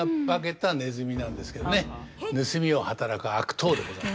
盗みを働く悪党でございます。